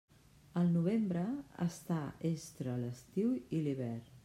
El novembre està estre l'estiu i l'hivern.